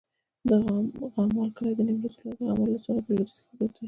د غمال کلی د نیمروز ولایت، غمال ولسوالي په لویدیځ کې پروت دی.